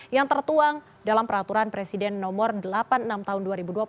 yang tertuang dalam peraturan presiden nomor delapan puluh enam tahun dua ribu dua puluh